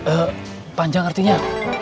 eh panjang artinya